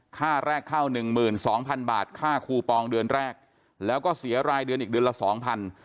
ค่าแรกเข้าหนึ่งหมื่นสองพันบาทค่าคูปองเดือนแรกแล้วก็เสียรายเดือนอีกเดือนละสองพัน